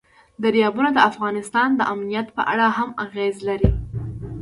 دریابونه د افغانستان د امنیت په اړه هم اغېز لري.